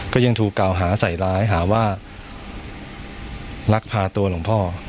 ก็ยังถูกกล่าวหาใส่ร้ายหาว่าลักพาตัวหลวงพ่อ